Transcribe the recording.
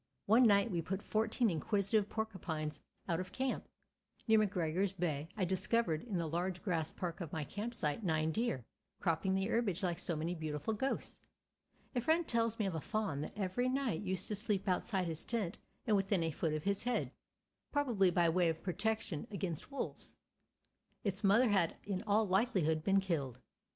One night we put fourteen inquisitive porcupines out of camp. Near McGregor's Bay I discovered in the large grass park of my camp site nine deer, cropping the herbage like so many beautiful ghosts. A friend tells me of a fawn that every night used to sleep outside his tent and within a foot of his head, probably by way of protection against wolves. Its mother had in all likelihood been killed.